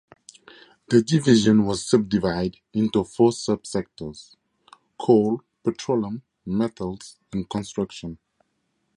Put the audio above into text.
The division was subdivided into four sub-sectors; coal, petroleum, metals and construction.